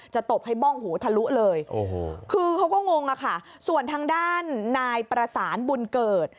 ตบให้บ้องหูทะลุเลยโอ้โหคือเขาก็งงอะค่ะส่วนทางด้านนายประสานบุญเกิด